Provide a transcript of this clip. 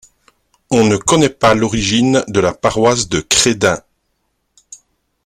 On ne connaît pas l'origine de la paroisse de Crédin.